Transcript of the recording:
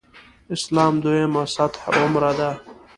اسلام دویمه سطح عمره ده.